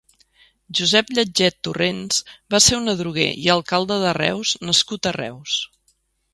Josep Lletget Torrents va ser un adroguer i alcalde de Reus nascut a Reus.